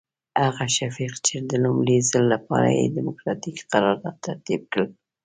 هغه شفیق چې د لومړي ځل لپاره یې ډیموکراتیک قرارداد ترتیب کړ.